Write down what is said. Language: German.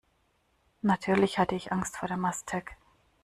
Natürlich hatte ich Angst vor der Mastek.